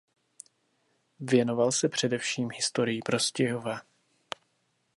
Věnoval se především historii Prostějova.